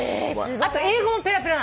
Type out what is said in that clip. あと英語もペラペラなの。